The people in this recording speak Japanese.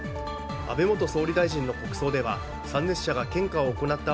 安倍元総理大臣の国葬では参列者が献花を行った